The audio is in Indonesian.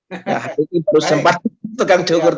nah hari ini baru sempat ditukang cukur